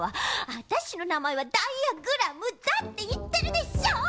あたしのなまえはダイヤグラムだっていってるでしょ！